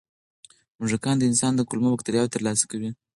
موږکان د انسان د کولمو بکتریاوو ترلاسه کوي.